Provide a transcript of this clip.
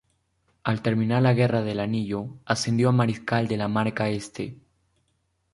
El terminar la Guerra del Anillo ascendió a Mariscal de la Marca Este.